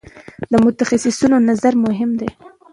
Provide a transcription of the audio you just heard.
د متخصصینو نظر مهم دی.